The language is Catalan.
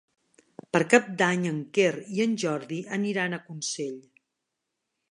Per Cap d'Any en Quer i en Jordi aniran a Consell.